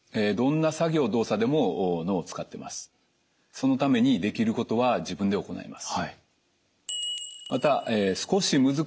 そのためにできることは自分で行います。